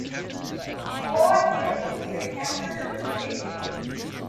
All I did was trade hamburger for steak.